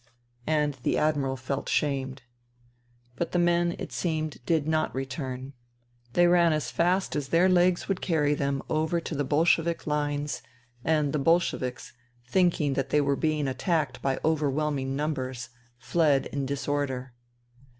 And the Admiral felt shamed. But the men, it seems, did not return. They ran as fast as their legs would carry them over to the Bolshevik hnes, and the Bolsheviks, thinking that they were being attacked by overwhelming numbers, fled in disorder.